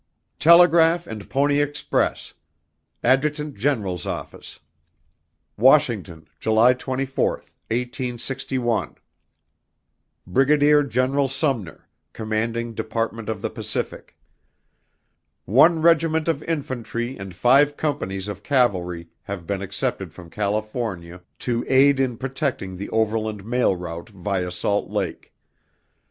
Telegraph and Pony Express. Adjutant General's Office. Washington, July 24, 1861. Brigadier General Sumner, Commanding Department of the Pacific. One regiment of infantry and five companies of cavalry have been accepted from California to aid in protecting the overland mail route via Salt Lake.